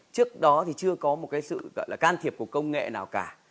trước đó thì chưa có một cái sự gọi là can thiệp của công nghệ nào cả